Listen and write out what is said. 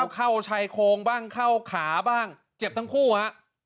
เข้าชายโคงบ้างเจ็บทั้งคู่อะ